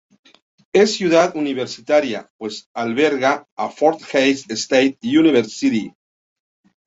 Es ciudad universitaria, pues alberga la Fort Hays State University.